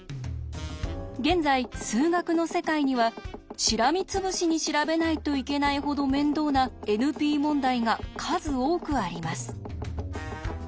現在数学の世界にはしらみつぶしに調べないといけないほど面倒なＮＰ問題が数多くあります。